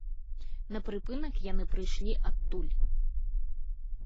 На прыпынак яны прыйшлі адтуль.